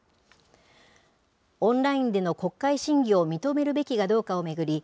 オンラインでの国会審議を認めるべきかどうかを巡り、